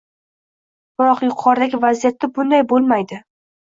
Biroq yuqoridagi vaziyatda bunday bo‘lmaydi.